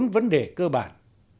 bốn vấn đề cơ bản